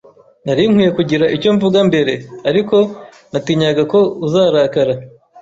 Nari nkwiye kugira icyo mvuga mbere, ariko natinyaga ko uzarakara.